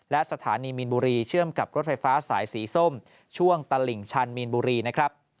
และสถานีมีนบุรีเชื่อมกับรถไฟฟ้าสายสีส้มช่วงตลิ่งชันมีนบุรีนะครับ